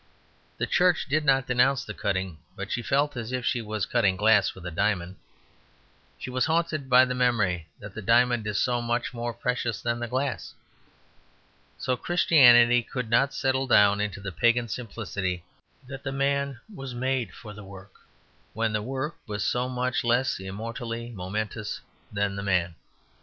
The Church did not denounce the cutting; but she felt as if she was cutting glass with a diamond. She was haunted by the memory that the diamond is so much more precious than the glass. So Christianity could not settle down into the pagan simplicity that the man was made for the work, when the work was so much less immortally momentous than the man.